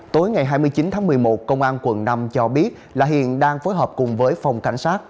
tối ngày hai mươi chín tháng một mươi một công an quận năm cho biết là hiện đang phối hợp cùng với phòng cảnh sát